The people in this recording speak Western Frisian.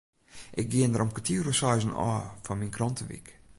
Ik gean der om kertier oer seizen ôf foar myn krantewyk.